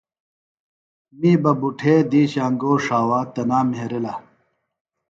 می بہ بُٹھے دِیشہ انگور ݜاوا تنام مھیرلہ